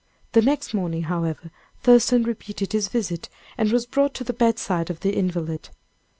The next morning, however, Thurston repeated his visit, and was brought to the bedside of the invalid.